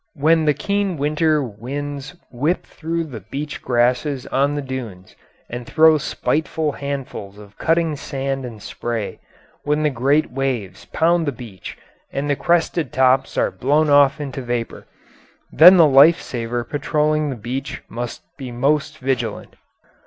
When the keen winter winds whip through the beach grasses on the dunes and throw spiteful handfuls of cutting sand and spray; when the great waves pound the beach and the crested tops are blown off into vapour, then the life saver patrolling the beach must be most vigilant.